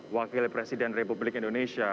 wakil presiden republik indonesia